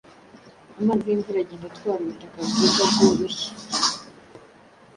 amazi y’imvura agenda atwara ubutaka bwiza bworoshye